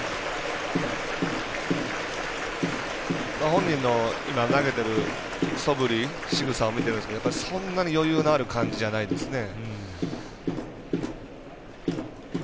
本人の投げてる、そぶりしぐさを見てるんですけどそんなに余裕のある感じじゃないですね。